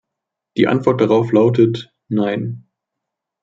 Die Antwort darauf lautet "Nein".